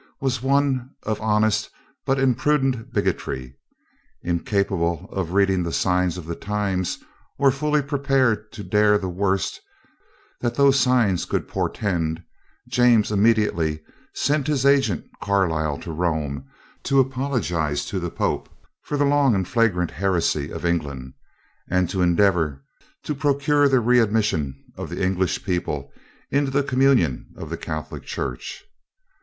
was one of honest but imprudent bigotry. Incapable of reading the signs of the times, or fully prepared to dare the worst that those signs could portend, James immediately sent his agent Caryl to Rome, to apologize to the pope for the long and flagrant heresy of England, and to endeavor to procure the re admission of the English people into the communion of the Catholic Church.